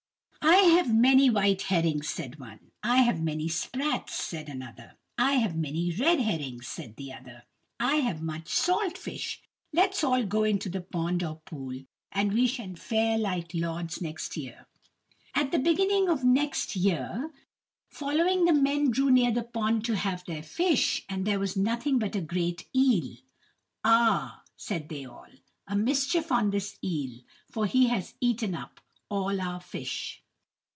"I have many white herrings," said one. "I have many sprats," said another. "I have many red herrings," said the other. "I have much salt fish. Let all go into the pond or pool, and we shall fare like lords next year." At the beginning of next year following the men drew near the pond to have their fish, and there was nothing but a great eel. "Ah," said they all, "a mischief on this eel, for he has eaten up all our fish."